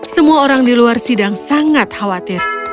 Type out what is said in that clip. semua orang di luar sidang sangat khawatir